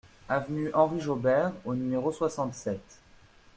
Avenue Henri Jaubert au numéro soixante-sept